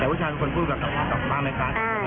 แต่วันเกิดคนพูดกับกลุ่มแม่ค้าใช่ไหมครับ